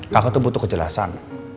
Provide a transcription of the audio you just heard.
kakak tuh butuh kejelasan